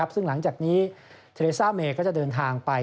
ซึ่งหลังจากนี้เทเลซ่าเมย์ก็จะเดินทางไป